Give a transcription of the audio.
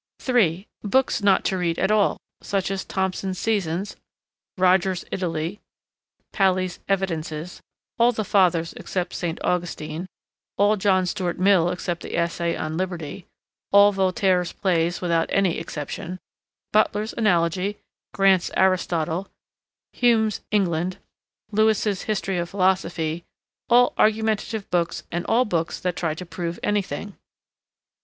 3. Books not to read at all, such as Thomson's Seasons, Rogers's Italy, Paley's Evidences, all the Fathers except St. Augustine, all John Stuart Mill except the essay on Liberty, all Voltaire's plays without any exception, Butler's Analogy, Grant's Aristotle, Hume's England, Lewes's History of Philosophy, all argumentative books and all books that try to prove anything.